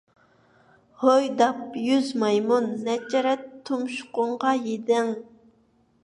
ھوي داپ يۈز مايمۇن! نەچچە رەت تۇمشۇقۇڭغا يېدىڭ.